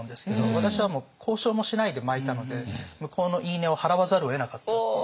私はもう交渉もしないで巻いたので向こうの言い値を払わざるをえなかったっていう。